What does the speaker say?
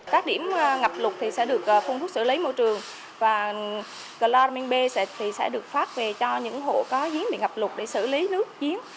các điểm ngập lục thì sẽ được phun thuốc xử lý môi trường và gloramin b sẽ được phát về cho những hộ có diễn bị ngập lục để xử lý nước diễn